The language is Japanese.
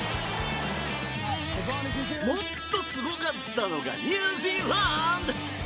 もっとすごかったのがニュージーランド。